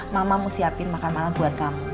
mama mau siapin makan malam buat kamu